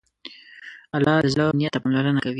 الله د زړه نیت ته پاملرنه کوي.